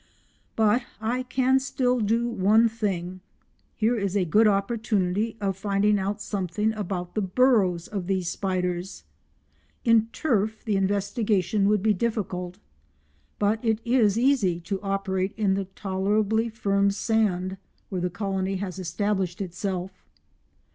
But I can still do one thing. Here is a good opportunity of finding out something about the burrows of these spiders. In turf the investigation would be difficult, but it is easy to operate in the tolerably firm sand where the colony has established itself.